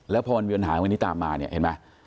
แล้วพอมันเวียนหางวันนี้ตามมาเนี่ยเห็นไหม